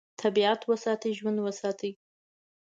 طبیعت وساتئ، ژوند وساتئ.